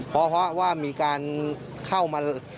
เพราะว่ามีการเข้ามา